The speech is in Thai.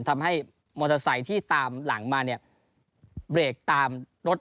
ทำให้มอเตอร์ไซค์ที่ตามหลังมาเนี่ยเบรกตามรถ